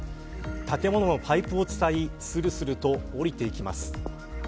建物のパイプをつたいするすると降りていきます。